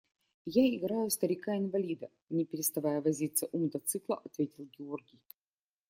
– Я играю старика инвалида, – не переставая возиться у мотоцикла, ответил Георгий.